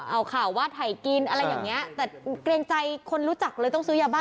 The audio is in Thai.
เอาข่าววาดถ่ายกินอะไรอย่างเงี้ยแต่เกรงใจคนรู้จักเลยต้องซื้อยาบ้า